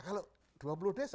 kalau tujuh puluh empat ribu desa